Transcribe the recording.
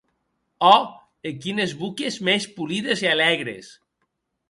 Ò!, e quines boques mès polides e alègres!